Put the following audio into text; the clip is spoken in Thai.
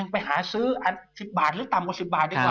ไปหาซื้ออันตัว๑๐บาทที่ต่ำกว่า๑๐บาท